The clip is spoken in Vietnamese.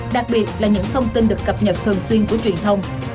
đặc biệt là những thông tin được cập nhật thường xuyên của truyền thông